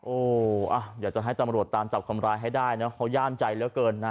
โอ้อ่ะอยากจะให้ตำรวจตามจับคำลายให้ได้เนอะเขาย่ามใจแล้วเกินนะ